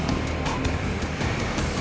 ada yang wellbeing